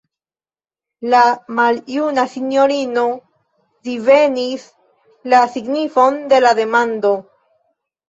La maljuna sinjorino divenis la signifon de la demando.